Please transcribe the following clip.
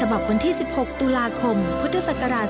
ฉบับวันที่๑๖ตุลาคมพุทธศักราช๒๕๖